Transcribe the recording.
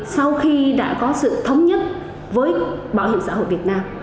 sau khi đã có sự thống nhất với bảo hiểm xã hội việt nam